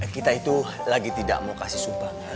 kita itu lagi tidak mau kasih sumbang